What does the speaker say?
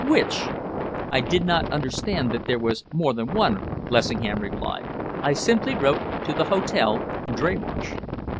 "Which?" "I did not understand that there was more than one," Lessingham replied. "I simply wrote to The Hotel, Dreymarsh."